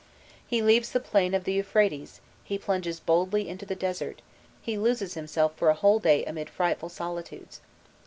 He leaves the plain of the Euphrates, he plunges boldly into the desert, he loses himself for a whole day amid frightful solitudes.